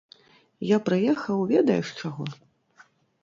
Я прыехаў ведаеш чаго?